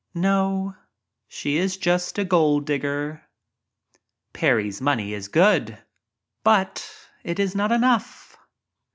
No, she is just a "gold dig ger." Parry's money is good— but it is not enough.